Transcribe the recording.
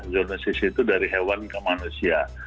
zoonosis itu dari hewan ke manusia